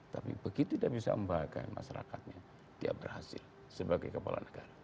tapi begitu dia bisa membahagiakan masyarakatnya dia berhasil sebagai kepala negara